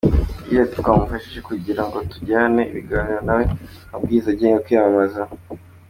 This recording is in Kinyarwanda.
Yagize ati "Twamufashe kugira ngo tugirane ibiganiro na we ku mabwiriza agenga kwiyamamaza.